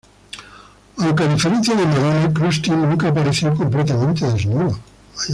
Aunque, a diferencia de Madonna, Krusty nunca apareció completamente desnudo.